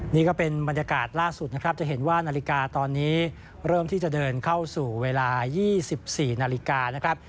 นี่ก็เป็นบรรยากาศล่าสุดนะครับจะเห็นว่านาฬิกาตอนนี้เริ่มที่จะเดินเข้าสู่เวลา๒๔นาฬิกานะครับ